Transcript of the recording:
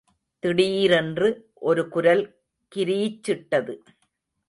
திடீரென்று, ஒரு குரல் கிரீச்சிட்டது.